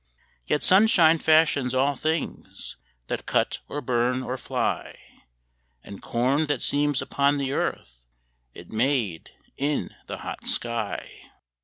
Yet sunshine fashions all things That cut or burn or fly; And corn that seems upon the earth Is made in the hot sky.